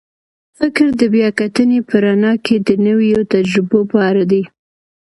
فکر د بیا کتنې په رڼا کې د نویو تجربو په اړه دی.